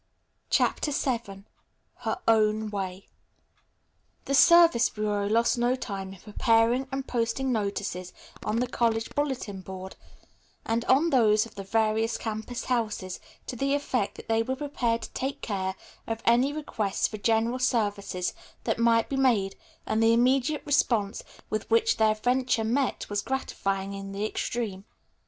CHAPTER VII HER OWN WAY The Service Bureau lost no time in preparing and posting notices on the college bulletin board, and on those of the various campus houses, to the effect that they were prepared to take care of any requests for general services that might be made, and the immediate response with which their venture met was gratifying in the extreme.